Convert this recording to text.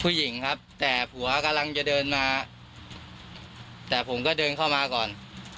ผู้หญิงครับแต่ผัวกำลังจะเดินมาแต่ผมก็เดินเข้ามาก่อน